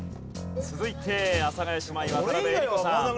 続いて阿佐ヶ谷姉妹渡辺江里子さん。